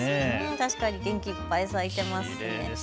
確かに元気いっぱい咲いてますね。